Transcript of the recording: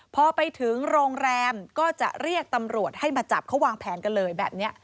พอไปถึงโรงแรมก็จะเรียกตำรวจให้มาจับเขาวางแผนกันเลยแบบนี้